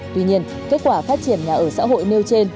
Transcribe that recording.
tuy nhiên kết quả phát triển nhà ở xã hội nêu trên